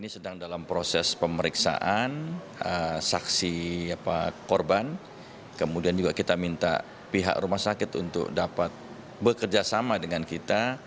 ini sedang dalam proses pemeriksaan saksi korban kemudian juga kita minta pihak rumah sakit untuk dapat bekerjasama dengan kita